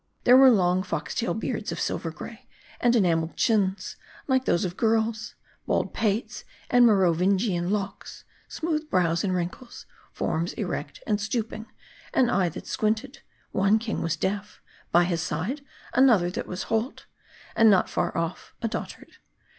There were long fox tail beards of silver gray, and enam eled chins, like those of girls ; bald pates and Merovingian locks ; smooth brows and wrinkles : forms erect and stoop ing ; an eye that squinted ; one kirig was deaf ; by his side, another that was halt ; and not far off, a dotard.